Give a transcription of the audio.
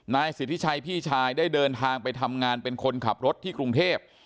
นายสิทธิชัยพี่ชายได้เดินทางไปทำงานเป็นคนขับรถที่กรุงเทพ